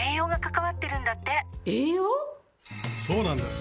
そうなんです！